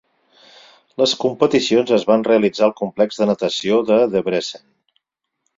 Les competicions es van realitzar al Complex de Natació de Debrecen.